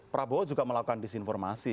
prabowo juga melakukan disinformasi